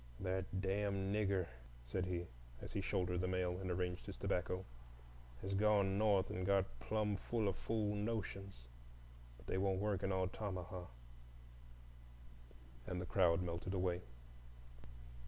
"That damn Nigger," said he, as he shouldered the mail and arranged his tobacco, "has gone North and got plum full o' fool notions; but they won't work in Altamaha." And the crowd melted away.